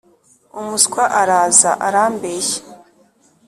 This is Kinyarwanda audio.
umuswa araza arambeshya